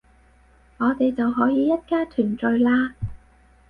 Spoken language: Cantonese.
我哋就可以一家團聚喇